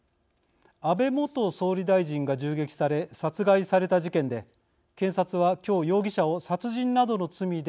安倍元総理大臣が銃撃され殺害された事件で検察は容疑者を殺人などの罪で起訴しました。